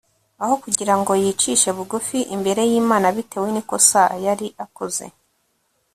Aho kugira ngo yicishe bugufi imbere yImana bitewe nikosa yari yakoze